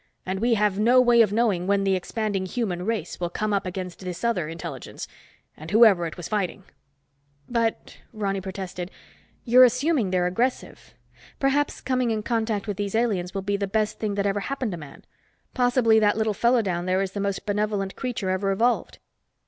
And we have no way of knowing when the expanding human race will come up against this other intelligence—and whoever it was fighting." "But," Ronny protested, "you're assuming they're aggressive. Perhaps coming in contact with these aliens will be the best thing that ever happened to man. Possibly that little fellow down there is the most benevolent creature ever evolved."